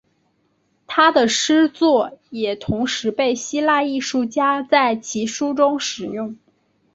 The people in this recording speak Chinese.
他的诗作也同时被希腊艺术家在其书中使用。